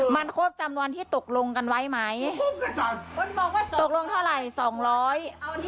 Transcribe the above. มันครบจำนวนที่ตกลงกันไว้ไหมตกลงเท่าไรสองร้อย